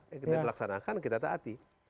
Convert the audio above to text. ya kita laksanakan kita taati